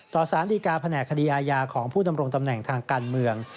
สารดีการแผนกคดีอาญาของผู้ดำรงตำแหน่งทางการเมือง